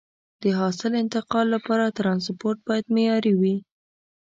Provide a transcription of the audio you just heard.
د حاصل انتقال لپاره ترانسپورت باید معیاري وي.